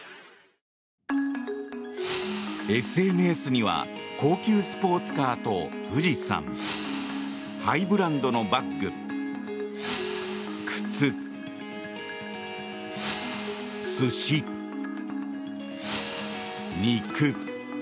ＳＮＳには高級スポーツカーと富士山ハイブランドのバッグ、靴寿司、肉。